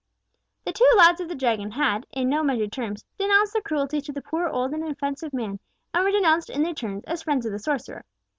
The two lads of the Dragon had, in no measured terms, denounced the cruelty to the poor old inoffensive man, and were denounced in their turn as friends of the sorcerer.